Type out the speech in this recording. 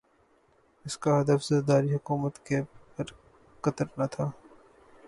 اس کا ہدف زرداری حکومت کے پر کترنا تھا۔